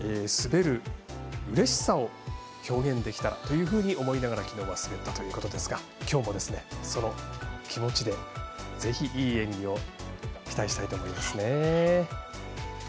滑るうれしさを表現できたらというふうに思いながらきのうは滑ったということですがきょうも、その気持ちでぜひ、いい演技を期待したいと思いますね。